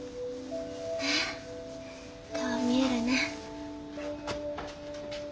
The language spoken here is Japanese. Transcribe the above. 顔見えるね。